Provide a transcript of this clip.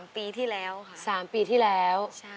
ปีที่แล้วค่ะ๓ปีที่แล้ว